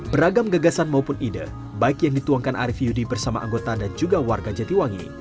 beragam gagasan maupun ide baik yang dituangkan arief yudi bersama anggota dan juga warga jatiwangi